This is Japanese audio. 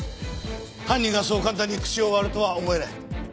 犯人がそう簡単に口を割るとは思えない。